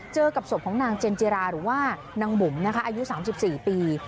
เจอกับศพของนางเจนจิราหรือว่านางบุ๋มนะคะอายุ๓๔ปี